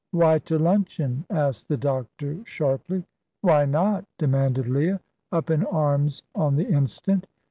"Why to luncheon?" asked the doctor, sharply. "Why not?" demanded Leah, up in arms on the instant.